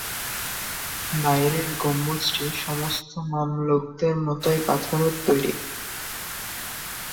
বাইরের গম্বুজটি সমস্ত মামলুকদের মতোই পাথরের তৈরি।